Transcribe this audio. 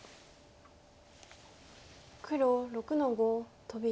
黒６の五トビ。